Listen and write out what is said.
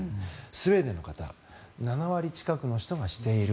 スウェーデンの方７割近くの人がしている。